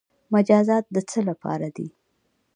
مجازات د څه لپاره دي؟